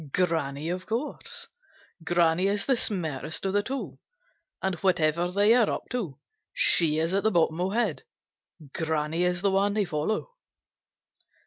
Granny, of course. Granny is the smartest of the two, and whatever they are up to, she is at the bottom of it. Granny is the one to follow."